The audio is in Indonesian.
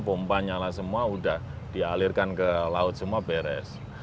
pompa nyala semua udah dialirkan ke laut semua beres